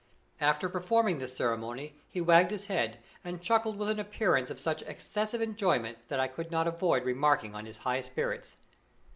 After performing this ceremony, he wagged his head and chuckled with an appearance of such excessive enjoyment that I could not avoid remarking on his high spirits.